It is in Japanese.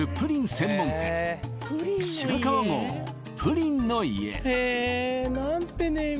専門店白川郷ぷりんの家